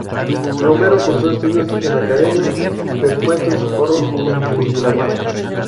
Romero cursó estudios en la Academia Perpetuo Socorro, en Miramar.